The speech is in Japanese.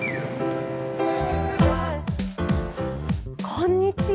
こんにちは。